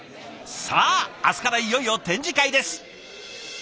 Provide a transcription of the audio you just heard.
さあ明日からいよいよ展示会です。